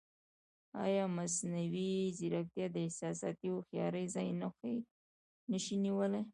ایا مصنوعي ځیرکتیا د احساساتي هوښیارۍ ځای نه شي نیولی؟